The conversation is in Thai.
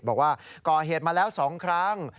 บอกว่าก่อเหตุมาแล้ว๒ครั้ง